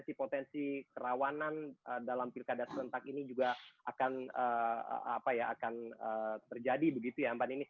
si kerawanan dalam pilkada tertentang ini juga akan terjadi begitu ya mbak ninis